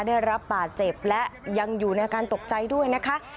ได้รับบาดเจ็บและยังอยู่ในอาการตกใจด้วยนะคะ